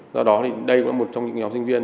do đó thì đây cũng là một trong những nhóm sinh viên